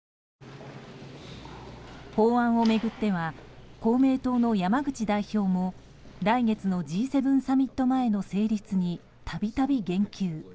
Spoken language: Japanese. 法案を巡っては公明党の山口代表も来月のＧ７サミット前の成立に度々言及。